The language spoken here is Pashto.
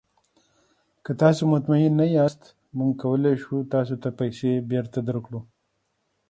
که تاسو مطمین نه یاست، موږ کولی شو تاسو ته پیسې بیرته درکړو.